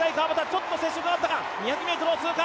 ちょっと接触があったか。